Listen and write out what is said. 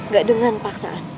gak dengan paksaan